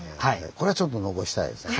これはちょっと残したいですね。